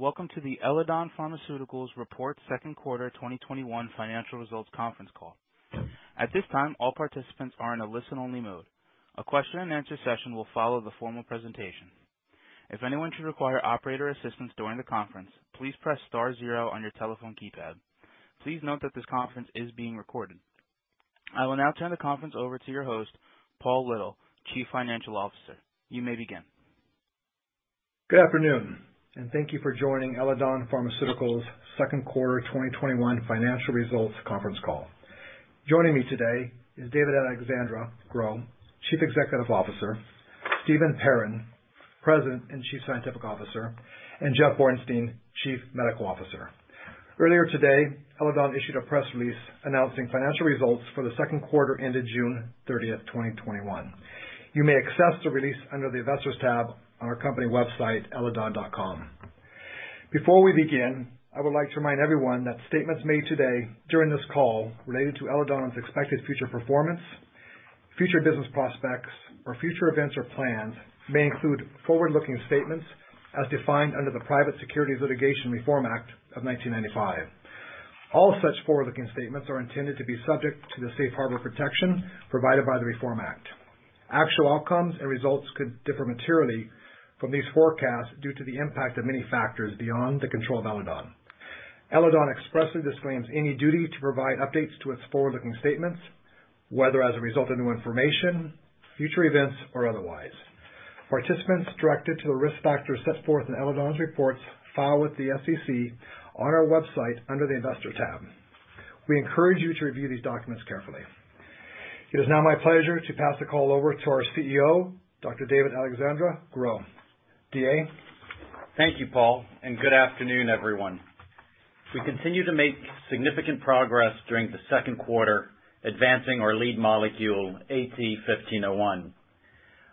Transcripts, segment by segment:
Greetings. Welcome to the Eledon Pharmaceuticals Report Second Quarter 2021 Financial Results conference call. At this time, all participants are in a listen-only mode. A question and answer session will follow the formal presentation. If anyone should require operator assistance during the conference, please press star zero on your telephone keypad. Please note that this conference is being recorded. I will now turn the conference over to your host, Paul Little, Chief Financial Officer. You may begin. Good afternoon. Thank you for joining Eledon Pharmaceuticals Second Quarter 2021 Financial Results conference call. Joining me today is David-Alexandre Gros, Chief Executive Officer, Steven Perrin, President and Chief Scientific Officer, and Jeff Bornstein, Chief Medical Officer. Earlier today, Eledon issued a press release announcing financial results for the 2nd quarter ended June 30th, 2021. You may access the release under the Investors tab on our company website, eledon.com. Before we begin, I would like to remind everyone that statements made today during this call related to Eledon's expected future performance, future business prospects, or future events or plans may include forward-looking statements as defined under the Private Securities Litigation Reform Act of 1995. All such forward-looking statements are intended to be subject to the safe harbor protection provided by the Reform Act. Actual outcomes and results could differ materially from these forecasts due to the impact of many factors beyond the control of Eledon. Eledon expressly disclaims any duty to provide updates to its forward-looking statements, whether as a result of new information, future events, or otherwise. Participants directed to the risk factors set forth in Eledon's reports filed with the SEC on our website under the Investor tab. We encourage you to review these documents carefully. It is now my pleasure to pass the call over to our CEO, Dr. David-Alexandre Gros. D.A.? Thank you, Paul, and good afternoon, everyone. We continue to make significant progress during the second quarter, advancing our lead molecule, AT-1501.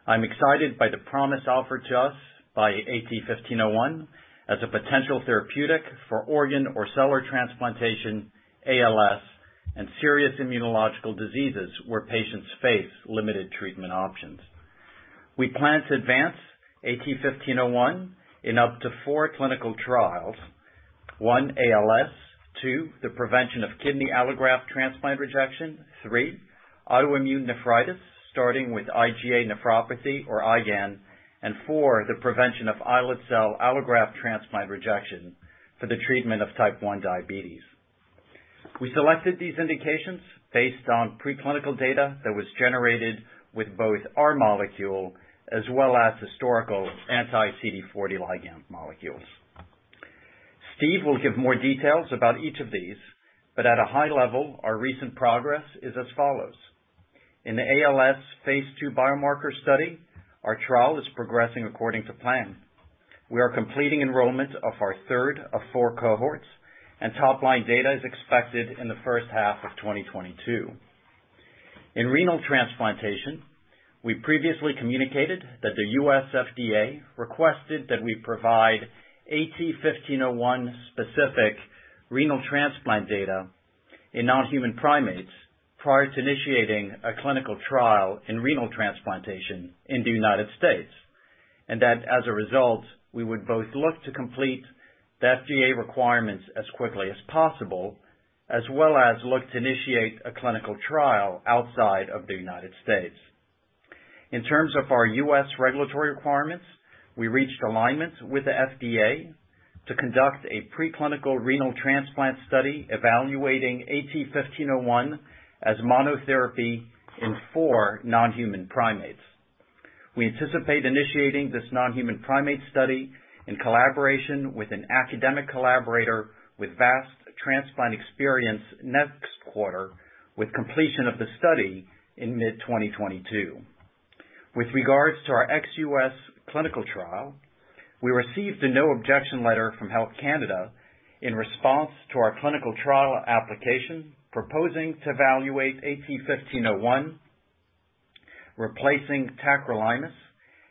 I'm excited by the promise offered to us by AT-1501 as a potential therapeutic for organ or cellular transplantation, ALS, and serious immunological diseases where patients face limited treatment options. We plan to advance AT-1501 in up to four clinical trials. One, ALS, two, the prevention of kidney allograft transplant rejection, three, autoimmune nephritis, starting with IgA nephropathy, or IgAN, and four, the prevention of islet cell allograft transplant rejection for the treatment of Type 1 diabetes. We selected these indications based on preclinical data that was generated with both our molecule as well as historical anti-CD40 ligand molecules. Steve will give more details about each of these, but at a high level, our recent progress is as follows. In the ALS phase II biomarker study, our trial is progressing according to plan. We are completing enrollment of our third of four cohorts, and top-line data is expected in the first half of 2022. In renal transplantation, we previously communicated that the U.S. FDA requested that we provide AT-1501 specific renal transplant data in non-human primates prior to initiating a clinical trial in renal transplantation in the United States, and that as a result, we would both look to complete the FDA requirements as quickly as possible, as well as look to initiate a clinical trial outside of the United States. In terms of our U.S. regulatory requirements, we reached alignment with the FDA to conduct a preclinical renal transplant study evaluating AT-1501 as monotherapy in four non-human primates. We anticipate initiating this non-human primate study in collaboration with an academic collaborator with vast transplant experience next quarter, with completion of the study in mid-2022. With regards to our ex-U.S. clinical trial, we received a no objection letter from Health Canada in response to our clinical trial application proposing to evaluate AT-1501, replacing tacrolimus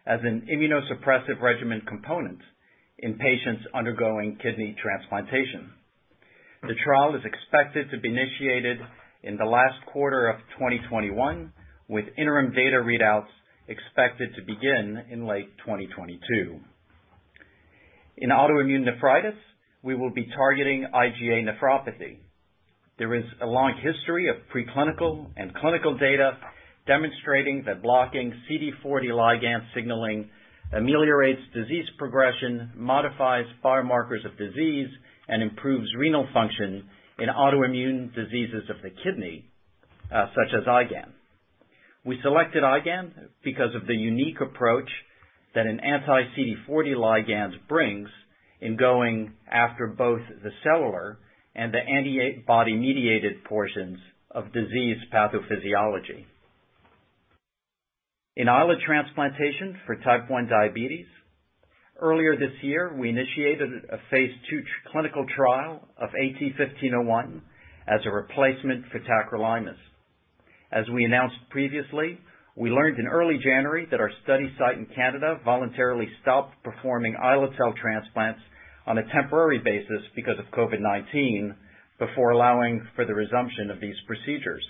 as an immunosuppressive regimen component in patients undergoing kidney transplantation. The trial is expected to be initiated in the last quarter of 2021, with interim data readouts expected to begin in late 2022. In autoimmune nephritis, we will be targeting IgA nephropathy. There is a long history of preclinical and clinical data demonstrating that blocking CD40 ligand signaling ameliorates disease progression, modifies biomarkers of disease, and improves renal function in autoimmune diseases of the kidney, such as IgAN. We selected IgAN because of the unique approach that an anti-CD40 ligand brings in going after both the cellular and the antibody-mediated portions of disease pathophysiology. In islet transplantation for Type 1 diabetes, earlier this year, we initiated a phase II clinical trial of AT-1501 as a replacement for tacrolimus. As we announced previously, we learned in early January that our study site in Canada voluntarily stopped performing islet cell transplants on a temporary basis because of COVID-19 before allowing for the resumption of these procedures.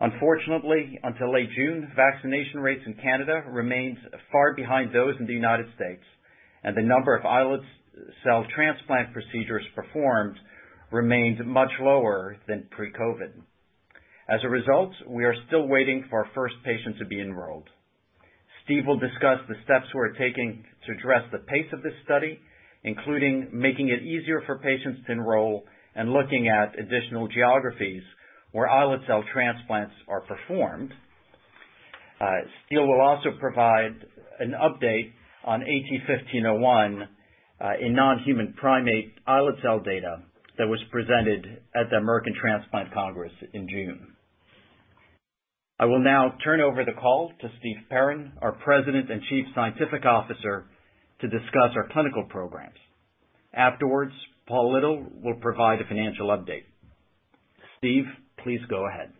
Unfortunately, until late June, vaccination rates in Canada remained far behind those in the U.S., and the number of islet cell transplant procedures performed remained much lower than pre-COVID. As a result, we are still waiting for our first patient to be enrolled. Steve will discuss the steps we're taking to address the pace of this study, including making it easier for patients to enroll and looking at additional geographies where islet cell transplants are performed. Steve will also provide an update on AT-1501 in non-human primate islet cell data that was presented at the American Transplant Congress in June. I will now turn over the call to Steve Perrin, our President and Chief Scientific Officer, to discuss our clinical programs. Afterwards, Paul Little will provide a financial update. Steve, please go ahead.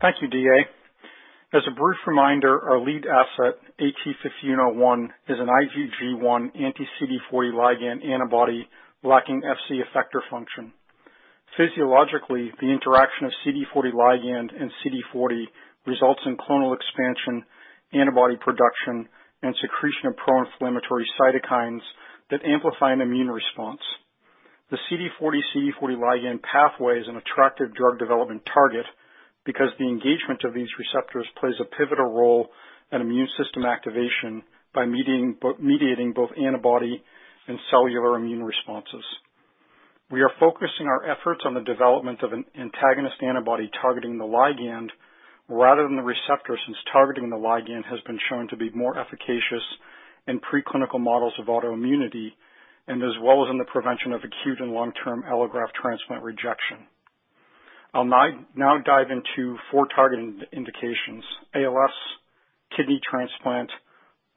Thank you, D.A. As a brief reminder, our lead asset, AT-1501, is an IgG1 anti-CD40 ligand antibody lacking Fc effector function. Physiologically, the interaction of CD40 ligand and CD40 results in clonal expansion, antibody production, and secretion of pro-inflammatory cytokines that amplify an immune response. The CD40/CD40 ligand pathway is an attractive drug development target because the engagement of these receptors plays a pivotal role in immune system activation by mediating both antibody and cellular immune responses. We are focusing our efforts on the development of an antagonist antibody targeting the ligand rather than the receptor, since targeting the ligand has been shown to be more efficacious in preclinical models of autoimmunity and as well as in the prevention of acute and long-term allograft transplant rejection. I'll now dive into four targeted indications: ALS, kidney transplant,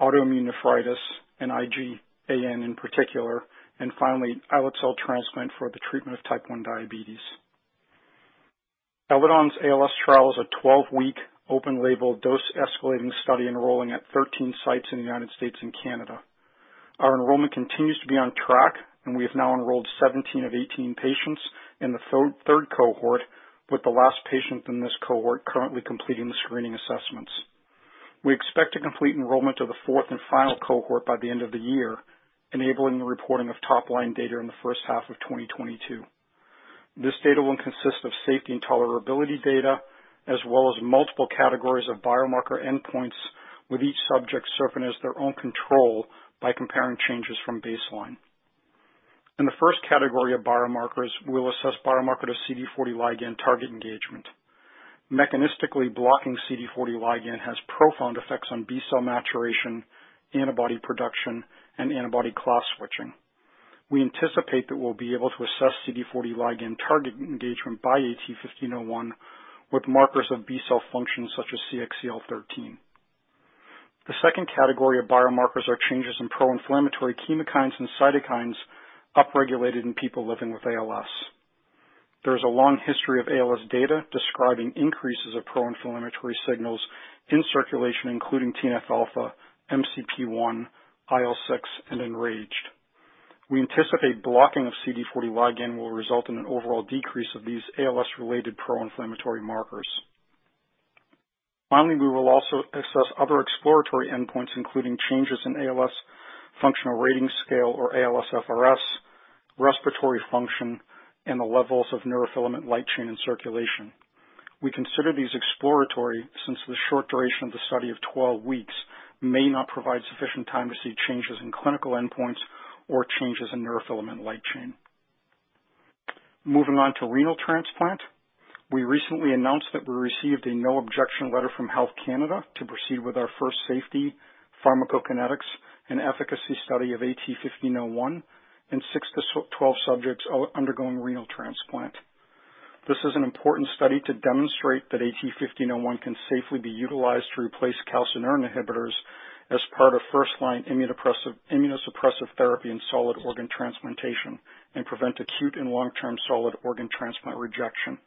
autoimmune nephritis, and IgAN in particular, and finally, islet cell transplant for the treatment of Type 1 diabetes. Eledon's ALS trial is a 12-week open label dose-escalating study enrolling at 13 sites in the United States and Canada. Our enrollment continues to be on track, and we have now enrolled 17 of 18 patients in the third cohort with the last patient in this cohort currently completing the screening assessments. We expect to complete enrollment of the fourth and final cohort by the end of the year, enabling the reporting of top-line data in the first half of 2022. This data will consist of safety and tolerability data, as well as multiple categories of biomarker endpoints, with each subject serving as their own control by comparing changes from baseline. In the first category of biomarkers, we'll assess biomarker to CD40 ligand target engagement. Mechanistically blocking CD40 ligand has profound effects on B-cell maturation, antibody production, and antibody class switching. We anticipate that we'll be able to assess CD40 ligand target engagement by AT-1501 with markers of B-cell function such as CXCL13. The second category of biomarkers are changes in pro-inflammatory chemokines and cytokines upregulated in people living with ALS. There is a long history of ALS data describing increases of pro-inflammatory signals in circulation, including TNF alpha, MCP-1, IL-6, and EN-RAGE. We anticipate blocking of CD40 ligand will result in an overall decrease of these ALS-related pro-inflammatory markers. Finally, we will also assess other exploratory endpoints, including changes in ALS functional rating scale or ALSFRS, respiratory function, and the levels of neurofilament light chain in circulation. We consider these exploratory since the short duration of the study of 12 weeks may not provide sufficient time to see changes in clinical endpoints or changes in neurofilament light chain. Moving on to renal transplant. We recently announced that we received a no objection letter from Health Canada to proceed with our first safety pharmacokinetics and efficacy study of AT-1501 in six to twelve subjects undergoing renal transplant. This is an important study to demonstrate that AT-1501 can safely be utilized to replace calcineurin inhibitors as part of first-line immunosuppressive therapy in solid organ transplantation and prevent acute and long-term solid organ transplant rejection.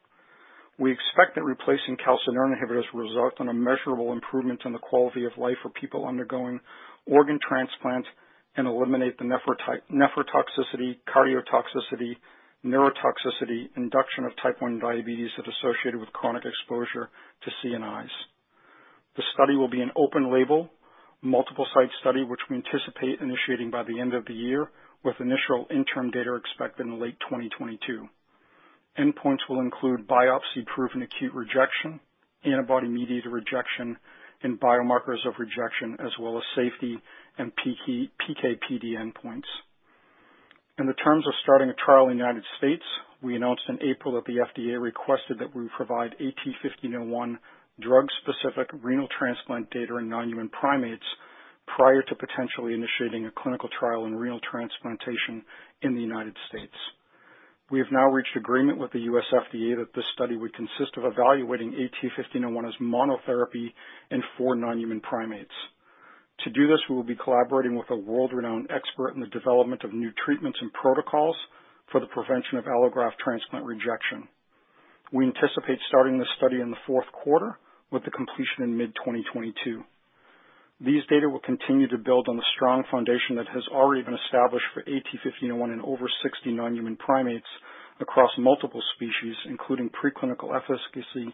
We expect that replacing calcineurin inhibitors will result in a measurable improvement in the quality of life for people undergoing organ transplants and eliminate the nephrotoxicity, cardiotoxicity, neurotoxicity, induction of Type 1 diabetes that is associated with chronic exposure to CNIs. The study will be an open-label, multisite study, which we anticipate initiating by the end of the year with initial interim data expected in late 2022. Endpoints will include biopsy-proven acute rejection, antibody-mediated rejection, and biomarkers of rejection, as well as safety and PK/PD endpoints. In terms of starting a trial in the U.S., we announced in April that the FDA requested that we provide AT-1501 drug-specific renal transplant data in non-human primates prior to potentially initiating a clinical trial in renal transplantation in the U.S. We have now reached agreement with the U.S. FDA that this study would consist of evaluating AT-1501 as monotherapy in four non-human primates. To do this, we will be collaborating with a world-renowned expert in the development of new treatments and protocols for the prevention of allograft transplant rejection. We anticipate starting this study in the fourth quarter with the completion in mid-2022. These data will continue to build on the strong foundation that has already been established for AT-1501 in over 60 non-human primates across multiple species, including preclinical efficacy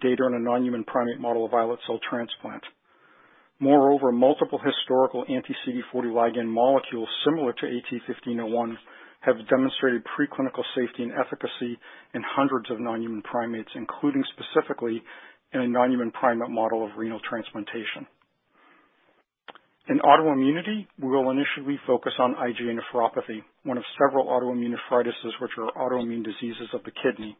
data in a non-human primate model of islet cell transplant. Moreover, multiple historical anti-CD40 ligand molecules similar to AT-1501 have demonstrated preclinical safety and efficacy in hundreds of non-human primates, including specifically in a non-human primate model of renal transplantation. In autoimmunity, we will initially focus on IgA nephropathy, one of several autoimmune nephritis, which are autoimmune diseases of the kidney.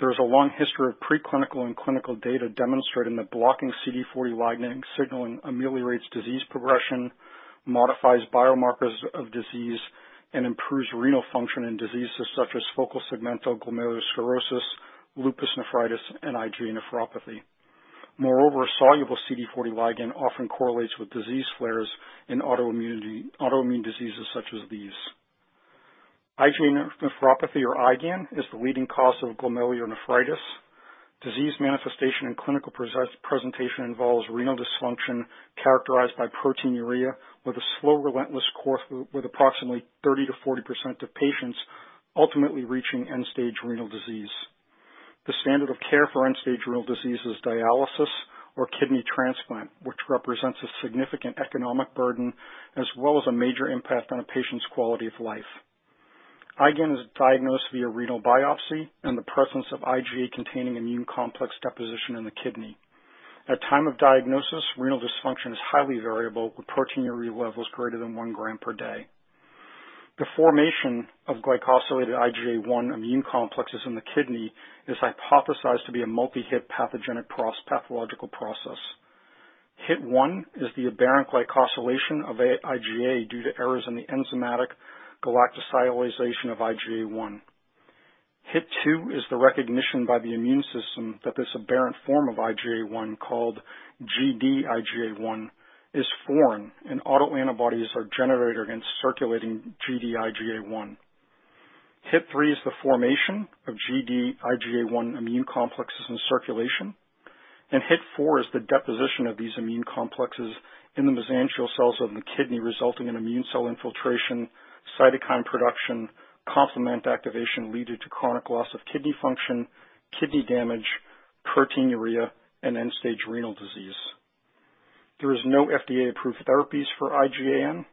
There is a long history of preclinical and clinical data demonstrating that blocking CD40 ligand signaling ameliorates disease progression, modifies biomarkers of disease, and improves renal function in diseases such as focal segmental glomerulosclerosis, lupus nephritis, and IgA nephropathy. Moreover, soluble CD40 ligand often correlates with disease flares in autoimmune diseases such as these. IgA nephropathy or IgAN is the leading cause of glomerulonephritis. Disease manifestation and clinical presentation involves renal dysfunction characterized by proteinuria with a slow, relentless course with approximately 30%-40% of patients ultimately reaching end-stage renal disease. The standard of care for end-stage renal disease is dialysis or kidney transplant, which represents a significant economic burden as well as a major impact on a patient's quality of life. IgAN is diagnosed via renal biopsy and the presence of IgA-containing immune complex deposition in the kidney. At time of diagnosis, renal dysfunction is highly variable, with proteinuria levels greater than 1 g per day. The formation of galactosylated IgA1 immune complexes in the kidney is hypothesized to be a multi-hit pathogenic pathological process. Hit 1 is the aberrant glycosylation of IgA due to errors in the enzymatic galactosylation of IgA1. Hit 2 is the recognition by the immune system that this aberrant form of IgA1, called Gd-IgA1, is foreign, and autoantibodies are generated against circulating Gd-IgA1. Hit 3 is the formation of Gd-IgA1 immune complexes in circulation. Hit 4 is the deposition of these immune complexes in the mesangial cells of the kidney, resulting in immune cell infiltration, cytokine production, complement activation leading to chronic loss of kidney function, kidney damage, proteinuria, and end-stage renal disease. There is no FDA-approved therapies for IgAN.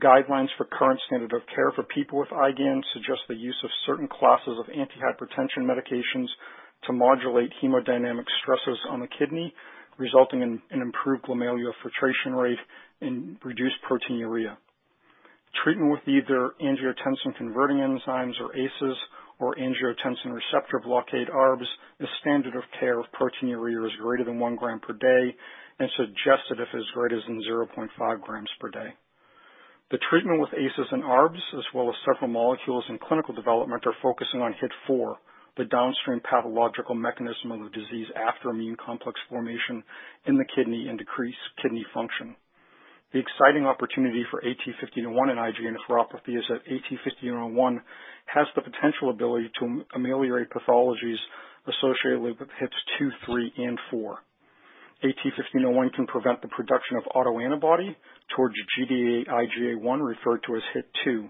Guidelines for current standard of care for people with IgAN suggest the use of certain classes of anti-hypertension medications to modulate hemodynamic stresses on the kidney, resulting in improved glomerular filtration rate and reduced proteinuria. Treatment with either angiotensin-converting enzyme inhibitors or ACEs or angiotensin II receptor blockers, ARBs, is standard of care if proteinuria is greater than 1 gram per day and suggested if it's greater than 0.5 g per day. The treatment with ACEs and ARBs, as well as several molecules in clinical development, are focusing on hit 4, the downstream pathological mechanism of the disease after immune complex formation in the kidney and decreased kidney function. The exciting opportunity for AT-1501 in IgA nephropathy is that AT-1501 has the potential ability to ameliorate pathologies associated with hits 2, 3, and 4. AT-1501 can prevent the production of autoantibody towards Gd-IgA1 referred to as hit 2.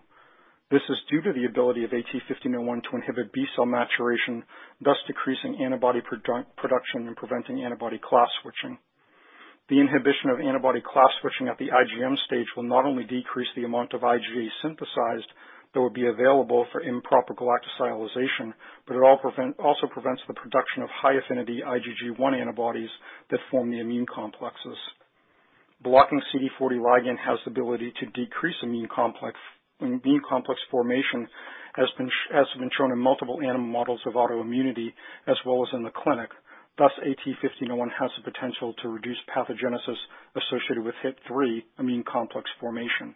This is due to the ability of AT-1501 to inhibit B-cell maturation, thus decreasing antibody production and preventing antibody class switching. The inhibition of antibody class switching at the IgM stage will not only decrease the amount of IgA synthesized that would be available for improper galactosylation, but it also prevents the production of high-affinity IgG1 antibodies that form the immune complexes. Blocking CD40 ligand has the ability to decrease immune complex formation, as has been shown in multiple animal models of autoimmunity, as well as in the clinic. AT-1501 has the potential to reduce pathogenesis associated with hit 3, immune complex formation.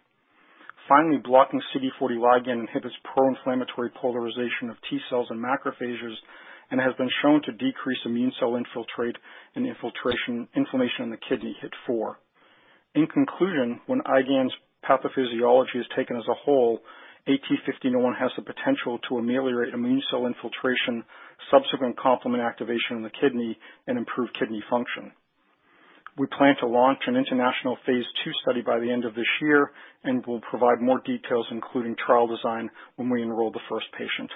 Blocking CD40 ligand inhibits pro-inflammatory polarization of T cells and macrophages and has been shown to decrease immune cell infiltrate and inflammation in the kidney, hit 4. When IgAN's pathophysiology is taken as a whole, AT-1501 has the potential to ameliorate immune cell infiltration, subsequent complement activation in the kidney, and improve kidney function. We plan to launch an international phase II study by the end of this year and will provide more details, including trial design, when we enroll the first patient.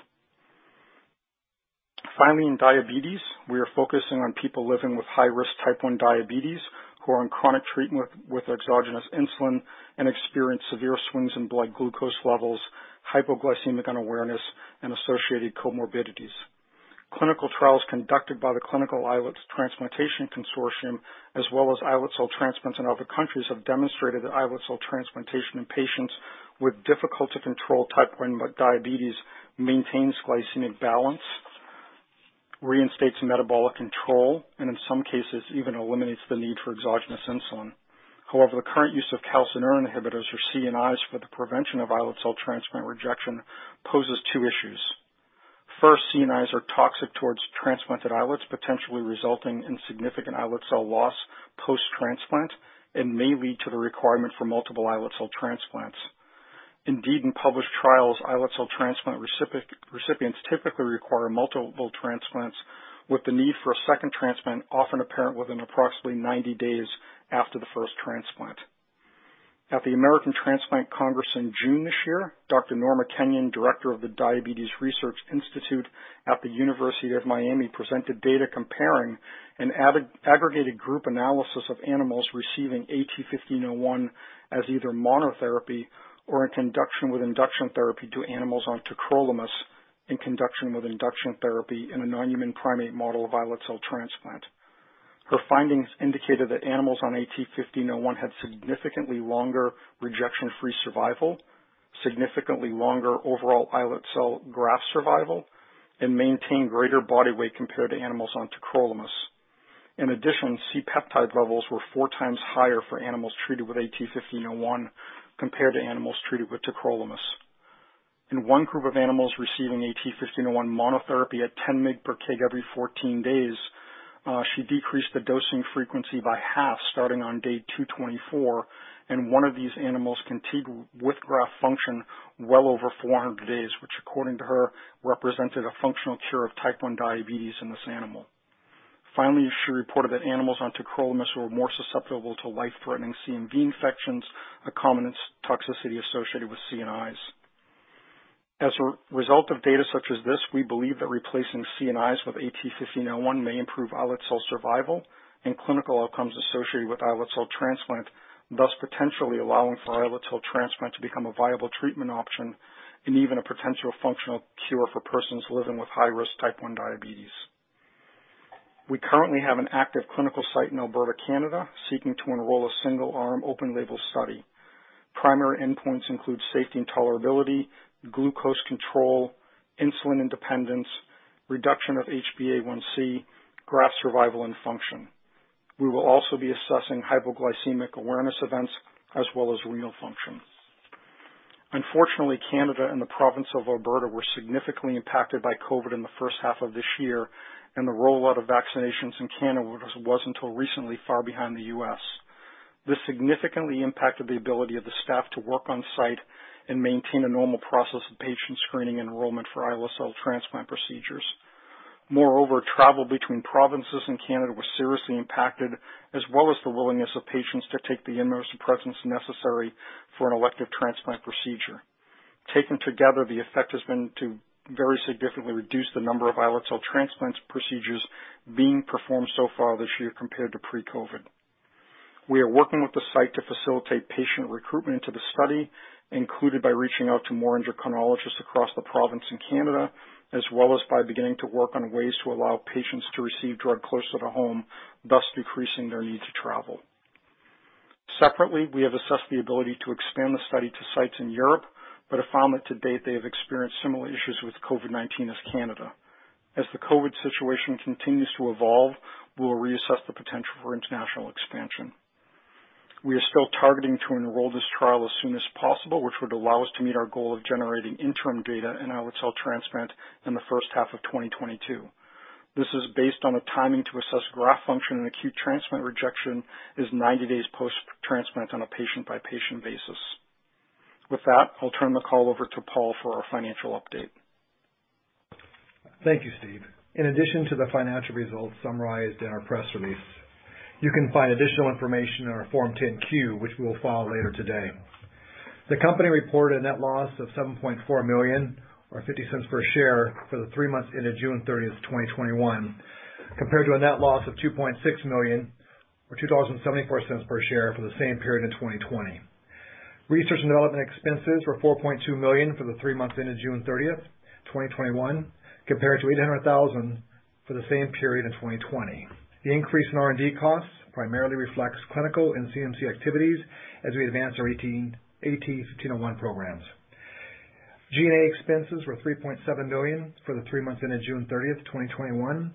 Finally, in diabetes, we are focusing on people living with high-risk Type 1 diabetes who are on chronic treatment with exogenous insulin and experience severe swings in blood glucose levels, hypoglycemic unawareness, and associated comorbidities. Clinical trials conducted by the Clinical Islet Transplantation Consortium, as well as islet cell transplants in other countries, have demonstrated that islet cell transplantation in patients with difficult-to-control Type 1 diabetes maintains glycemic balance, reinstates metabolic control, and in some cases, even eliminates the need for exogenous insulin. However, the current use of calcineurin inhibitors or CNIs for the prevention of islet cell transplant rejection poses two issues. First, CNIs are toxic towards transplanted islets, potentially resulting in significant islet cell loss post-transplant and may lead to the requirement for multiple islet cell transplants. Indeed, in published trials, islet cell transplant recipients typically require multiple transplants, with the need for a second transplant often apparent within approximately 90 days after the first transplant. At the American Transplant Congress in June this year, Dr. Norma Kenyon, director of the Diabetes Research Institute at the University of Miami, presented data comparing an aggregated group analysis of animals receiving AT-1501 as either monotherapy or in conjunction with induction therapy to animals on tacrolimus in conjunction with induction therapy in a non-human primate model of islet cell transplant. Her findings indicated that animals on AT-1501 had significantly longer rejection-free survival, significantly longer overall islet cell graft survival, and maintained greater body weight compared to animals on tacrolimus. In addition, C-peptide levels were four times higher for animals treated with AT-1501 compared to animals treated with tacrolimus. In one group of animals receiving AT-1501 monotherapy at 10 mg per kg every 14 days, she decreased the dosing frequency by half starting on day 224, and one of these animals continued with graft function well over 400 days, which according to her, represented a functional cure of Type 1 diabetes in this animal. Finally, she reported that animals on tacrolimus were more susceptible to life-threatening CMV infections, a common toxicity associated with CNIs. As a result of data such as this, we believe that replacing CNIs with AT-1501 may improve islet cell survival and clinical outcomes associated with islet cell transplant, thus potentially allowing for islet cell transplant to become a viable treatment option and even a potential functional cure for persons living with high-risk Type 1 diabetes. We currently have an active clinical site in Alberta, Canada, seeking to enroll a single-arm open label study. Primary endpoints include safety and tolerability, glucose control, insulin independence, reduction of HbA1c, graft survival, and function. We will also be assessing hypoglycemic awareness events as well as renal function. Unfortunately, Canada and the province of Alberta were significantly impacted by COVID in the first half of this year. The rollout of vaccinations in Canada was until recently far behind the U.S. This significantly impacted the ability of the staff to work on-site and maintain a normal process of patient screening and enrollment for islet cell transplant procedures. Moreover, travel between provinces in Canada was seriously impacted, as well as the willingness of patients to take the immunosuppressants necessary for an elective transplant procedure. Taken together, the effect has been to very significantly reduce the number of islet cell transplants procedures being performed so far this year compared to pre-COVID. We are working with the site to facilitate patient recruitment into the study, included by reaching out to more endocrinologists across the province in Canada, as well as by beginning to work on ways to allow patients to receive drug closer to home, thus decreasing their need to travel. Separately, we have assessed the ability to expand the study to sites in Europe, but have found that to date, they have experienced similar issues with COVID-19 as Canada. As the COVID situation continues to evolve, we will reassess the potential for international expansion. We are still targeting to enroll this trial as soon as possible, which would allow us to meet our goal of generating interim data in islet cell transplant in the first half of 2022. This is based on the timing to assess graft function and acute transplant rejection is 90 days post-transplant on a patient-by-patient basis. With that, I'll turn the call over to Paul for our financial update. Thank you, Steve. In addition to the financial results summarized in our press release, you can find additional information in our Form 10-Q, which we will file later today. The company reported a net loss of $7.4 million or $0.50 per share for the three months ended June 30th, 2021, compared to a net loss of $2.6 million or $2.74 per share for the same period in 2020. Research and development expenses were $4.2 million for the three months ended June 30th, 2021, compared to $800,000 for the same period in 2020. The increase in R&D costs primarily reflects clinical and CMC activities as we advance our AT-1501 programs. G&A expenses were $3.7 million for the 3 months ended June 30th, 2021,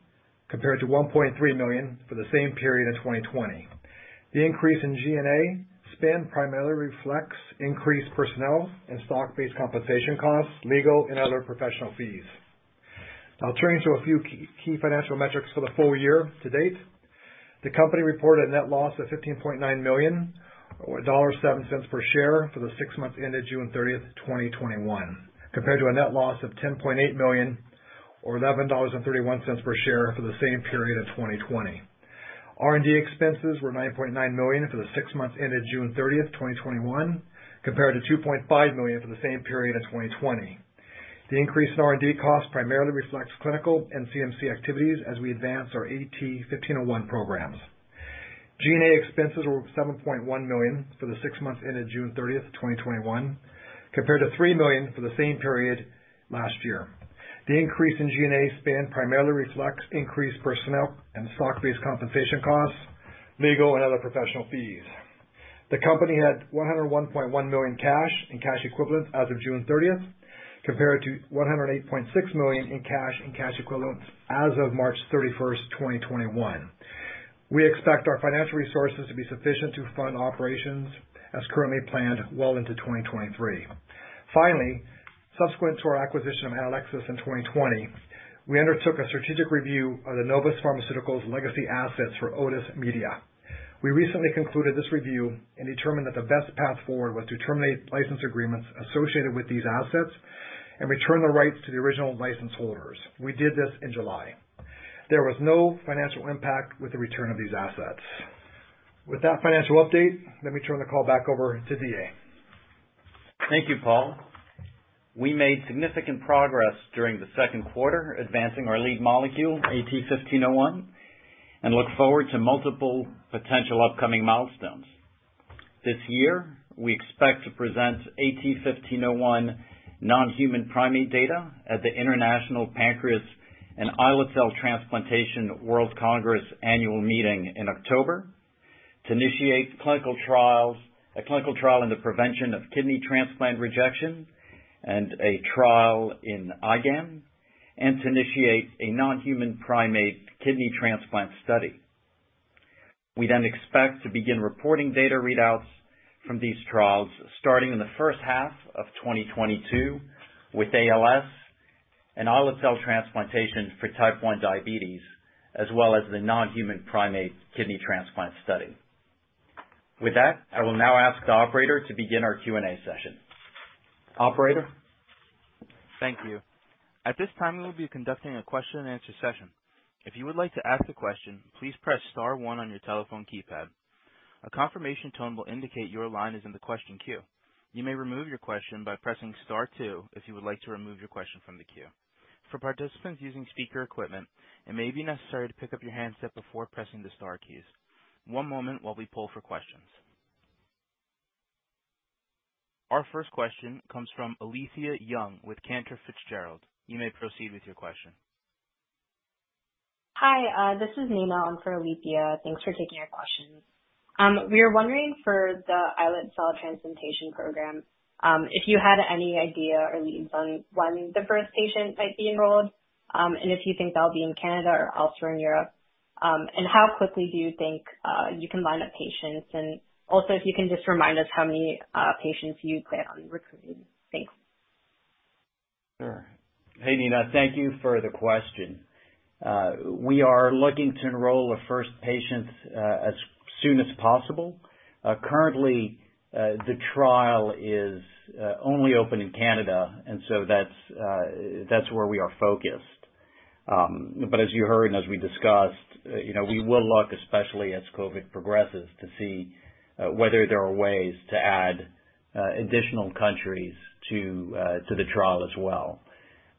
compared to $1.3 million for the same period in 2020. The increase in G&A spend primarily reflects increased personnel and stock-based compensation costs, legal and other professional fees. Turning to a few key financial metrics for the full-year to date. The company reported a net loss of $15.9 million or $1.07 per share for the six months ended June 30th, 2021, compared to a net loss of $10.8 million or $11.31 per share for the same period of 2020. R&D expenses were $9.9 million for the six months ended June 30th, 2021, compared to $2.5 million for the same period of 2020. The increase in R&D costs primarily reflects clinical and CMC activities as we advance our AT-1501 programs. G&A expenses were $7.1 million for the six months ended June 30th, 2021, compared to $3 million for the same period last year. The increase in G&A spend primarily reflects increased personnel and stock-based compensation costs, legal and other professional fees. The company had $101.1 million cash and cash equivalents as of June 30th, compared to $108.6 million in cash and cash equivalents as of March 31st, 2021. We expect our financial resources to be sufficient to fund operations as currently planned well into 2023. Finally, subsequent to our acquisition of Anelixis in 2020, we undertook a strategic review of the Novus Therapeutics legacy assets for otitis media. We recently concluded this review and determined that the best path forward was to terminate license agreements associated with these assets and return the rights to the original license holders. We did this in July. There was no financial impact with the return of these assets. With that financial update, let me turn the call back over to D.A. Thank you, Paul. We made significant progress during the second quarter advancing our lead molecule, AT-1501, and look forward to multiple potential upcoming milestones. This year, we expect to present AT-1501 non-human primate data at the International Pancreas and Islet Transplant Association World Congress annual meeting in October, to initiate a clinical trial in the prevention of kidney transplant rejection and a trial in IgAN, and to initiate a non-human primate kidney transplant study. We then expect to begin reporting data readouts from these trials starting in the first half of 2022 with ALS and islet cell transplantation for Type 1 diabetes, as well as the non-human primate kidney transplant study. With that, I will now ask the Operator to begin our Q&A session. Operator? Thank you. At this time, we will be conducting a question-and-answer session. If you would like to ask a question, please press star one on your telephone keypad. A confirmation tone will indicate your line is in the question queue. You may remove your question by pressing star two if you would like to remove your question from the queue. For participants using speaker equipment, it may be necessary to pick up your handset before pressing the star keys. One moment while we poll for questions. Our first question comes from Alethia Young with Cantor Fitzgerald. You may proceed with your question. Hi. This is Nina. I'm for Alethia. Thanks for taking our questions. We were wondering for the islet cell transplantation program, if you had any idea or leads on when the first patient might be enrolled, and if you think that'll be in Canada or also in Europe. How quickly do you think you can line up patients? Also, if you can just remind us how many patients you plan on recruiting. Thanks. Sure. Hey, Nina. Thank you for the question. We are looking to enroll a first patient as soon as possible. Currently, the trial is only open in Canada. That's where we are focused. As you heard and as we discussed, we will look, especially as COVID progresses, to see whether there are ways to add additional countries to the trial as well.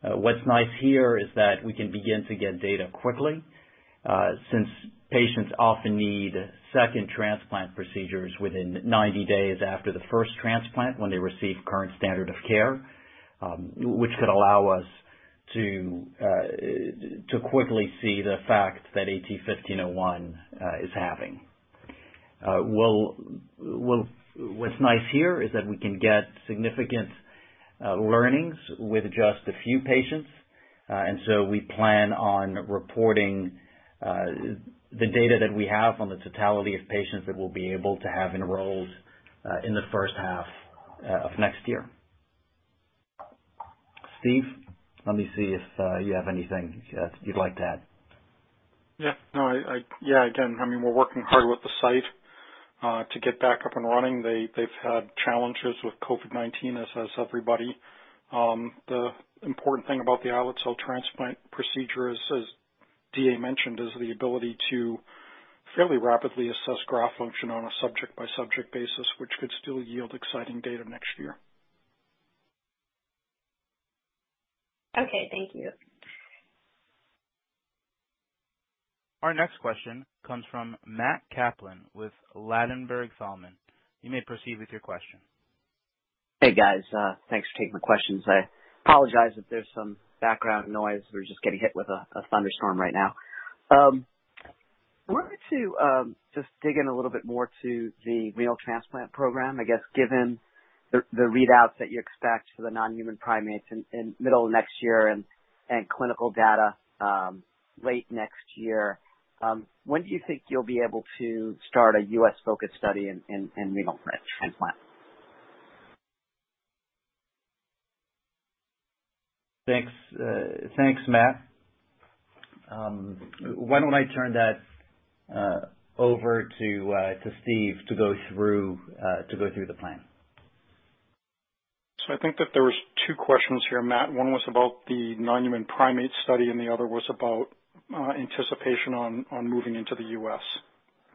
What's nice here is that we can begin to get data quickly, since patients often need second transplant procedures within 90 days after the first transplant when they receive current standard of care, which could allow us to quickly see the fact that AT-1501 is having. What's nice here is that we can get significant learnings with just a few patients. We plan on reporting the data that we have on the totality of patients that we'll be able to have enrolled in the first half of next year. Steve, let me see if you have anything you'd like to add. Yeah. Again, we're working hard with the site to get back up and running. They've had challenges with COVID-19, as has everybody. The important thing about the islet cell transplant procedure, as D.A. mentioned, is the ability to fairly rapidly assess graft function on a subject-by-subject basis, which could still yield exciting data next year. Okay. Thank you. Our next question comes from Matt Kaplan with Ladenburg Thalmann. You may proceed with your question. Hey, guys. Thanks for taking my questions. I apologize if there's some background noise. We're just getting hit with a thunderstorm right now. I wanted to just dig in a little bit more to the renal transplant program. I guess, given the readouts that you expect for the non-human primates in middle of next year and clinical data late next year, when do you think you'll be able to start a U.S.-focused study in renal transplant? Thanks, Matt. Why don't I turn that over to Steve to go through the plan? I think that there was two questions here, Matt. One was about the non-human primate study, and the other was about anticipation on moving into the U.S.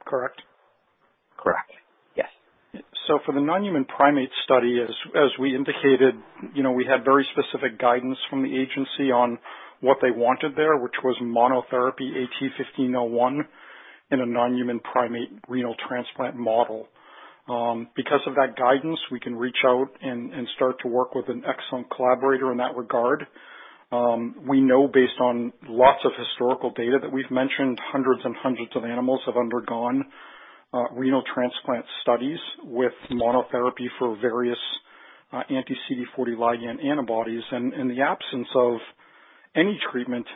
Correct? Correct. Yes. For the non-human primate study, as we indicated, we had very specific guidance from the agency on what they wanted there, which was monotherapy AT-1501 in a non-human primate renal transplant model. Because of that guidance, we can reach out and start to work with an excellent collaborator in that regard. We know based on lots of historical data that we've mentioned, hundreds and hundreds of animals have undergone renal transplant studies with monotherapy for various anti-CD40 ligand antibodies. In the absence of any treatment,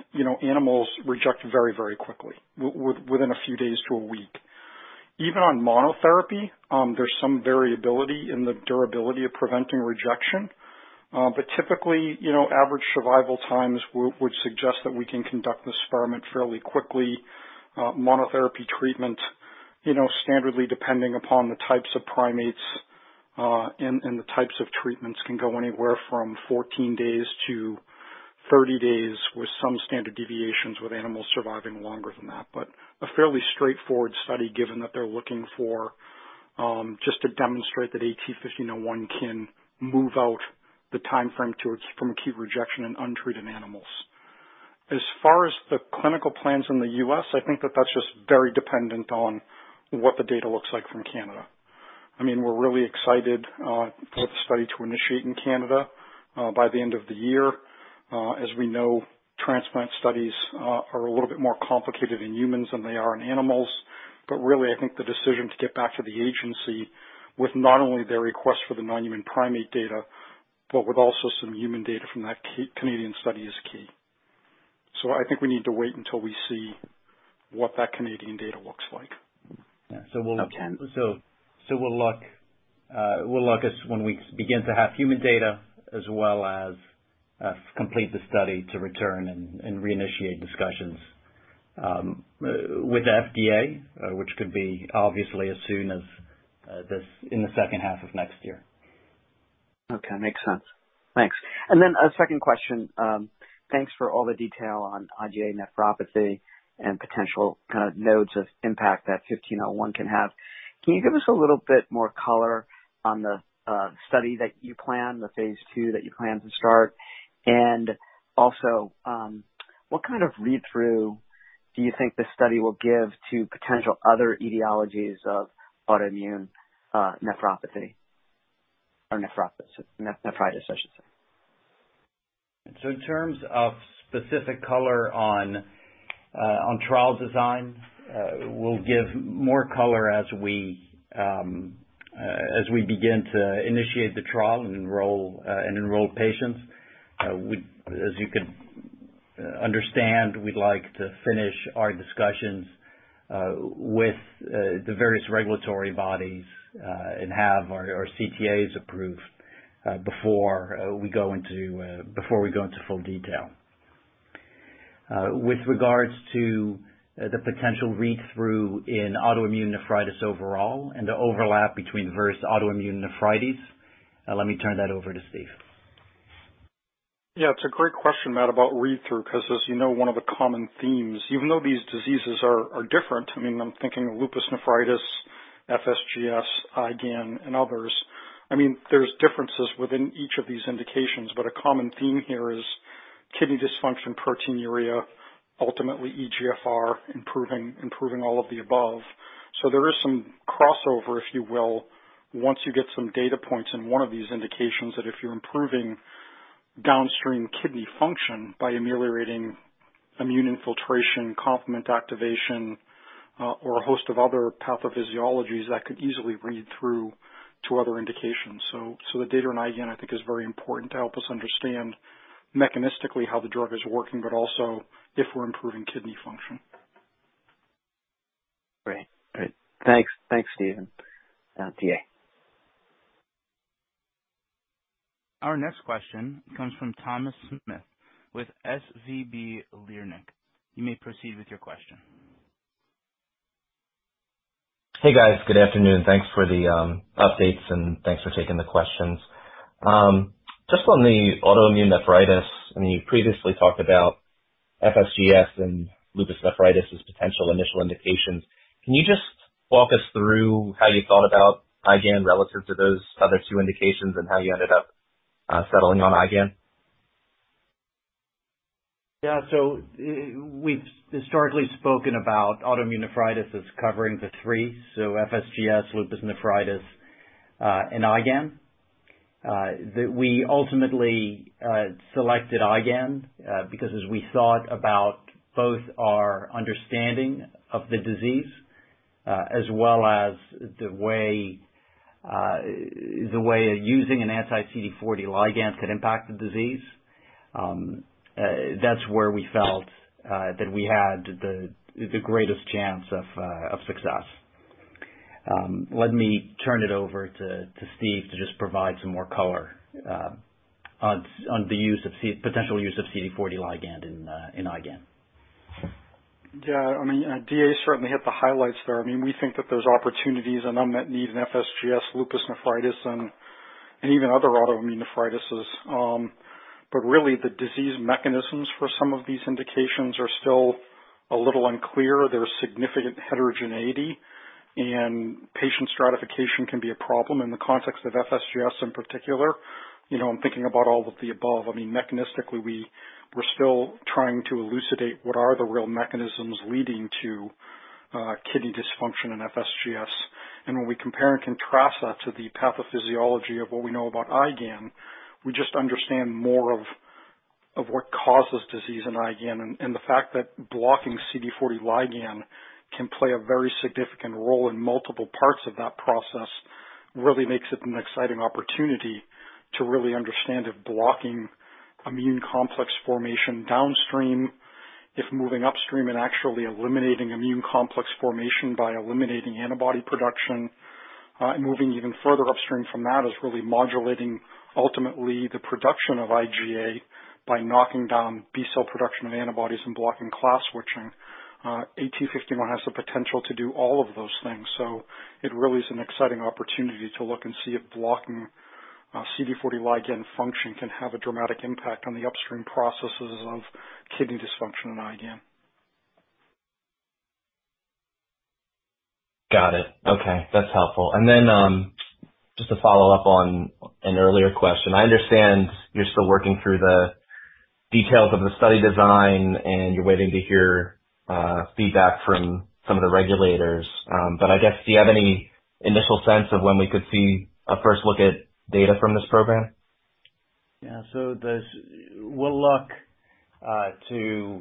animals reject very, very quickly, within a few days to a week. Even on monotherapy, there's some variability in the durability of preventing rejection. Typically, average survival times would suggest that we can conduct this experiment fairly quickly. Monotherapy treatment, standardly, depending upon the types of primates and the types of treatments, can go anywhere from 14 days to 30 days, with some standard deviations, with animals surviving longer than that. A fairly straightforward study, given that they're looking for just to demonstrate that AT-1501 can move out the timeframe from acute rejection in untreated animals. As far as the clinical plans in the U.S., I think that that's just very dependent on what the data looks like from Canada. We're really excited for the study to initiate in Canada by the end of the year. As we know, transplant studies are a little bit more complicated in humans than they are in animals. Really, I think the decision to get back to the agency with not only their request for the non-human primate data, but with also some human data from that Canadian study is key. I think we need to wait until we see what that Canadian data looks like. Yeah. We'll look as when we begin to have human data, as well as complete the study to return and reinitiate discussions with the FDA, which could be obviously as soon as in the second half of next year. Okay. Makes sense. Thanks. A second question. Thanks for all the detail on IgA nephropathy and potential nodes of impact that 1501 can have. Can you give us a little bit more color on the study that you plan, the phase II that you plan to start? What kind of read-through do you think this study will give to potential other etiologies of autoimmune nephritis? In terms of specific color on trial design, we'll give more color as we begin to initiate the trial and enroll patients. As you can understand, we'd like to finish our discussions with the various regulatory bodies and have our CTAs approved before we go into full detail. With regards to the potential read-through in autoimmune nephritis overall and the overlap between various autoimmune nephritis, let me turn that over to Steve. It's a great question, Matt, about read-through, because as you know, one of the common themes, even though these diseases are different, I'm thinking of lupus nephritis, FSGS, IgAN, and others. There's differences within each of these indications, but a common theme here is kidney dysfunction, proteinuria, ultimately eGFR, improving all of the above. There is some crossover, if you will, once you get some data points in one of these indications that if you're improving downstream kidney function by ameliorating immune infiltration, complement activation, or a host of other pathophysiologies, that could easily read through to other indications. The data on IgAN, I think, is very important to help us understand mechanistically how the drug is working, but also if we're improving kidney function. Great. Thanks, Steven. And D.A. Our next question comes from Thomas Smith with SVB Leerink. You may proceed with your question. Hey, guys. Good afternoon. Thanks for the updates, and thanks for taking the questions. Just on the autoimmune nephritis, you previously talked about FSGS and lupus nephritis as potential initial indications. Can you just walk us through how you thought about IgAN relative to those other two indications and how you ended up settling on IgAN? Yeah. We've historically spoken about autoimmune nephritis as covering the three, so FSGS, lupus nephritis, and IgAN. We ultimately selected IgAN, because as we thought about both our understanding of the disease as well as the way using an anti-CD40 ligand could impact the disease, that's where we felt that we had the greatest chance of success. Let me turn it over to Steve to just provide some more color on the potential use of CD40 ligand in IgAN. Yeah. D.A. certainly hit the highlights there. We think that there's opportunities unmet need in FSGS, lupus nephritis, and even other autoimmune nephritis. Really the disease mechanisms for some of these indications are still a little unclear. There's significant heterogeneity, and patient stratification can be a problem in the context of FSGS in particular. I'm thinking about all of the above. Mechanistically, we're still trying to elucidate what are the real mechanisms leading to kidney dysfunction in FSGS. When we compare and contrast that to the pathophysiology of what we know about IgAN, we just understand more of what causes disease in IgAN, and the fact that blocking CD40 ligand can play a very significant role in multiple parts of that process really makes it an exciting opportunity to really understand if blocking immune complex formation downstream, and moving upstream and actually eliminating immune complex formation by eliminating antibody production, and moving even further upstream from that is really modulating, ultimately, the production of IgA by knocking down B cell production of antibodies and blocking class switching. AT-1501 has the potential to do all of those things. It really is an exciting opportunity to look and see if blocking CD40 ligand function can have a dramatic impact on the upstream processes of kidney dysfunction and IgA. Got it. Okay. That's helpful. Just to follow up on an earlier question, I understand you're still working through the details of the study design, and you're waiting to hear feedback from some of the regulators. I guess, do you have any initial sense of when we could see a first look at data from this program? Yeah. We'll look to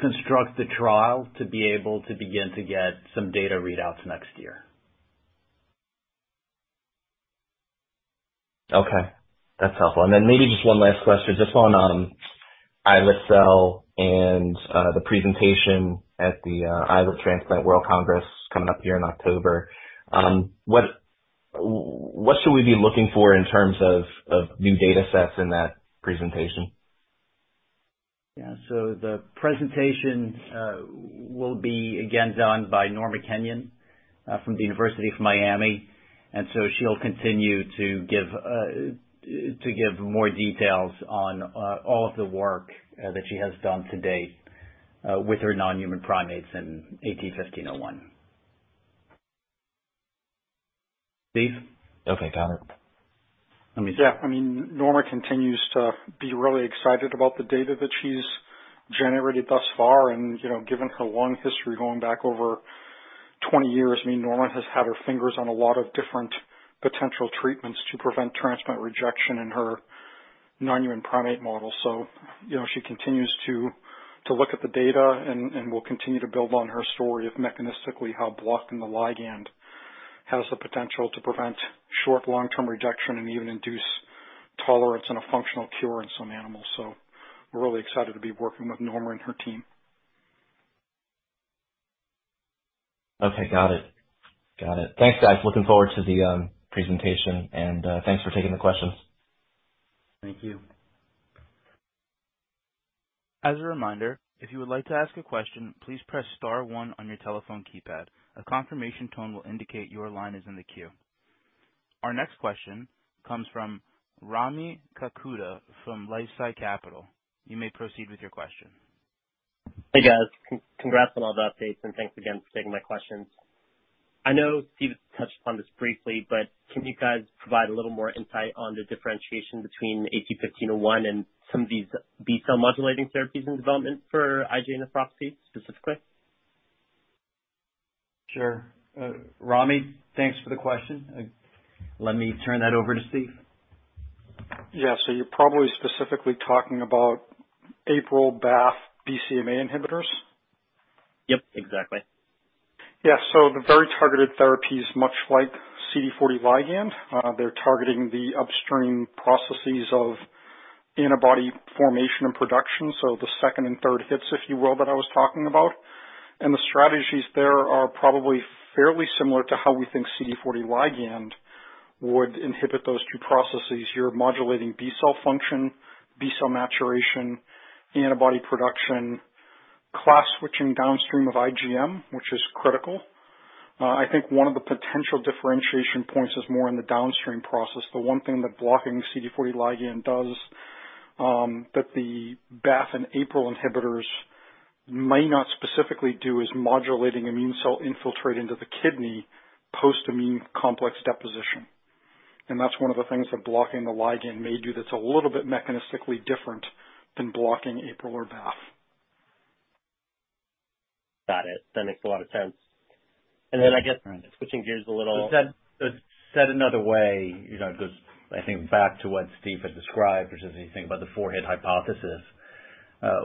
construct the trial to be able to begin to get some data readouts next year. Okay, that's helpful. Maybe just one last question, just on Islet Cell and the presentation at the Islet Transplant World Congress coming up here in October. What should we be looking for in terms of new data sets in that presentation? The presentation will be again done by Norma Kenyon from the University of Miami, she'll continue to give more details on all of the work that she has done to date with her non-human primates and AT-1501. Steve? Okay, got it. Norma continues to be really excited about the data that she's generated thus far and, given her long history going back over 20 years, Norma has had her fingers on a lot of different potential treatments to prevent transplant rejection in her non-human primate model. She continues to look at the data and will continue to build on her story of mechanistically how blocking the ligand has the potential to prevent short, long-term rejection and even induce tolerance and a functional cure in some animals. We're really excited to be working with Norma and her team. Okay, got it. Got it. Thanks, guys. Looking forward to the presentation and thanks for taking the questions. Thank you. As a reminder, if you would like to ask a question, please press star one on your telephone keypad. A confirmation tone will indicate your line is in the queue. Our next question comes from Rami Katkhuda from LifeSci Capital. You may proceed with your question. Hey, guys. Congrats on all the updates, and thanks again for taking my questions. I know Steve touched upon this briefly, but can you guys provide a little more insight on the differentiation between AT-1501 and some of these B-cell modulating therapies in development for IgA nephropathy specifically? Sure. Rami, thanks for the question. Let me turn that over to Steve. Yeah. You're probably specifically talking about APRIL, BAFF, BCMA inhibitors? Yep, exactly. Yeah. The very targeted therapies, much like CD40 ligand, they're targeting the upstream processes of antibody formation and production. The second and third hits, if you will, that I was talking about. The strategies there are probably fairly similar to how we think CD40 ligand would inhibit those two processes. You're modulating B cell function, B cell maturation, antibody production, class switching downstream of IgM, which is critical. I think one of the potential differentiation points is more in the downstream process. The one thing that blocking CD40 ligand does that the BAFF and APRIL inhibitors might not specifically do is modulating immune cell infiltrate into the kidney post immune complex deposition. That's one of the things that blocking the ligand may do that's a little bit mechanistically different than blocking APRIL or BAFF. Got it. That makes a lot of sense. I guess switching gears a little. Said another way, it goes, I think, back to what Steve had described, which is if you think about the 4-hit hypothesis,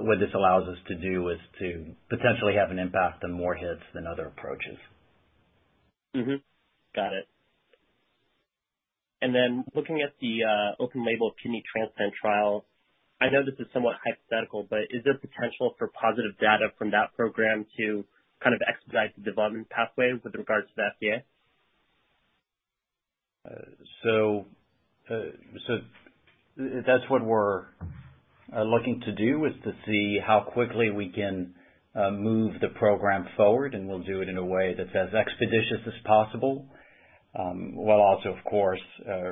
what this allows us to do is to potentially have an impact on more hits than other approaches. Got it. Looking at the open label kidney transplant trial, I know this is somewhat hypothetical, but is there potential for positive data from that program to expedite the development pathway with regards to the FDA? That's what we're looking to do, is to see how quickly we can move the program forward, and we'll do it in a way that's as expeditious as possible, while also, of course,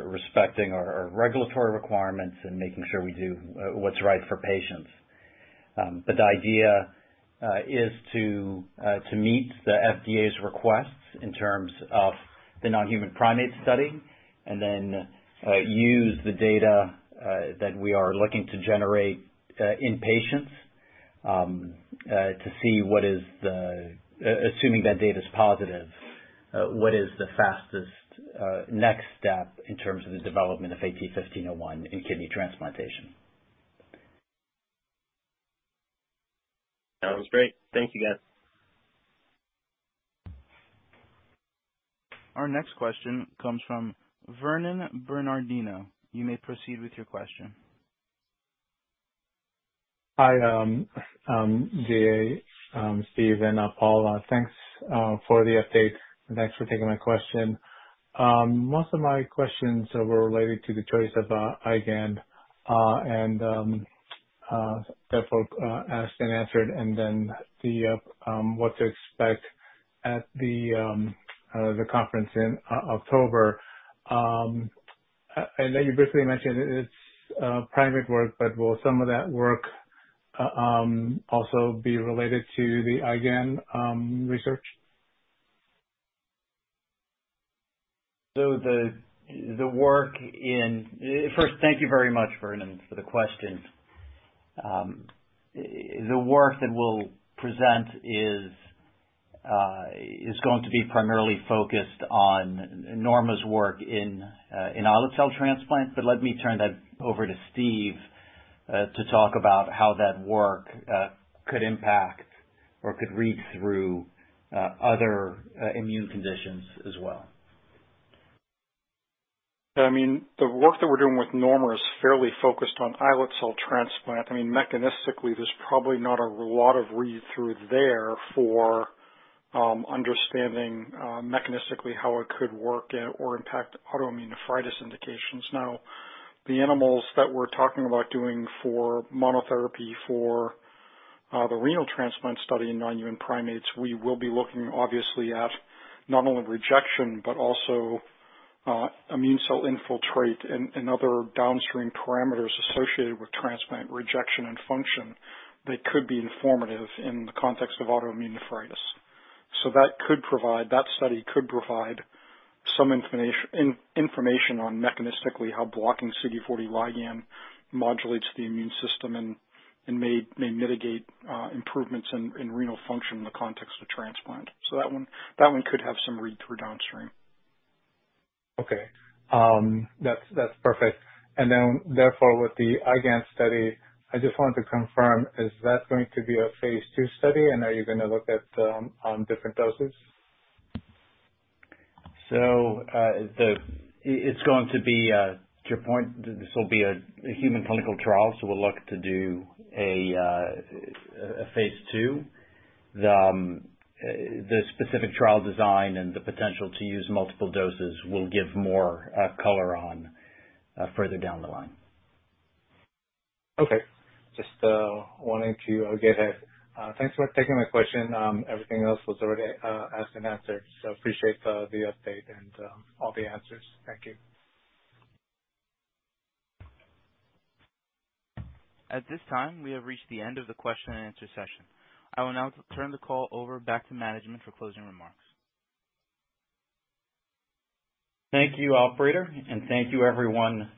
respecting our regulatory requirements and making sure we do what's right for patients. The idea is to meet the FDA's requests in terms of the non-human primate study, and then use the data that we are looking to generate in patients to see what is the, assuming that data's positive, what is the fastest next step in terms of the development of AT-1501 in kidney transplantation. Sounds great. Thank you, guys. Our next question comes from Vernon Bernardino. You may proceed with your question. Hi, D.A., Steve, and Paul. Thanks for the update and thanks for taking my question. Most of my questions were related to the choice of IgAN, and therefore asked and answered, and then what to expect at the conference in October. I know you briefly mentioned it's private work, but will some of that work also be related to the IgAN research? Thank you very much, Vernon, for the question. The work that we'll present is going to be primarily focused on Norma's work in islet cell transplants, but let me turn that over to Steve to talk about how that work could impact or could read through other immune conditions as well. The work that we're doing with Norma is fairly focused on islet cell transplant. Mechanistically, there's probably not a lot of read-through there for understanding mechanistically how it could work or impact autoimmune nephritis indications. The animals that we're talking about doing for monotherapy for the renal transplant study in non-human primates, we will be looking obviously at not only rejection, but also immune cell infiltrate and other downstream parameters associated with transplant rejection and function that could be informative in the context of autoimmune nephritis. That study could provide some information on mechanistically how blocking CD40 ligand modulates the immune system and may mitigate improvements in renal function in the context of transplant. That one could have some read-through downstream. Okay. That's perfect. With the IgAN study, I just wanted to confirm, is that going to be a phase II study, and are you going to look at different doses? To your point, this will be a human clinical trial, so we'll look to do a phase II. The specific trial design and the potential to use multiple doses we'll give more color on further down the line. Okay. Just wanting to get it. Thanks for taking my question. Everything else was already asked and answered. Appreciate the update and all the answers. Thank you. At this time, we have reached the end of the question and answer session. I will now turn the call over back to management for closing remarks. Thank you, operator. Thank you everyone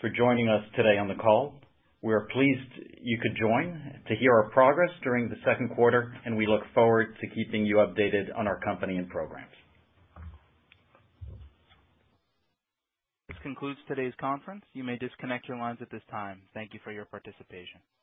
for joining us today on the call. We are pleased you could join to hear our progress during the second quarter, and we look forward to keeping you updated on our company and programs. This concludes today's conference. You may disconnect your lines at this time. Thank you for your participation.